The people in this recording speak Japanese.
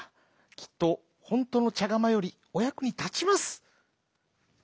きっとほんとのちゃがまよりおやくにたちます」。